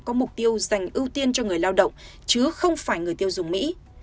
có mục tiêu dành ưu tiên cho người lao động chứ không phải người tiêu dùng mỹ